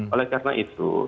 oleh karena itu